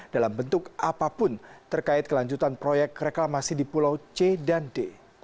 dalam bentuk apapun terkait kelanjutan proyek reklamasi di pulau c dan d